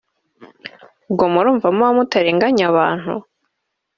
ubwo murumva muba mutarenganya abantu